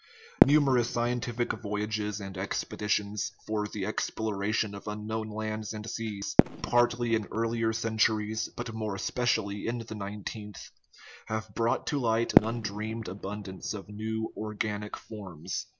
Numerous sci entific voyages and expeditions for the exploration of unknown lands and seas, partly in earlier centuries, but more especially in the nineteenth, have brought to light an undreamed abundance of new organic forms.